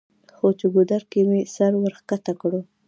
خو چې ګودر کښې مې سر ورښکته کړو